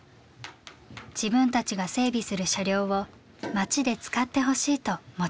自分たちが整備する車両を町で使ってほしいと持ちかけます。